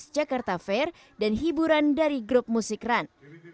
jakarta fair dan hiburan dari grup musik run